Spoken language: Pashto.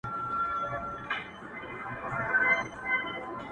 د کوهاټ بنګښې مه شه سترګبښنې